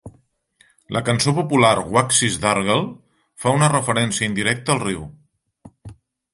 La cançó popular "Waxies' Dargle" fa una referència indirecta al riu.